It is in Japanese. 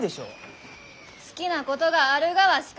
好きなことがあるがはしかたない。